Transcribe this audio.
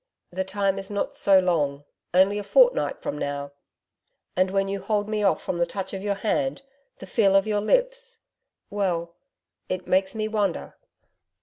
'The time is not so long only a fortnight from now. And when you hold me off from the touch of your hand the feel of your lips well, it makes me wonder....'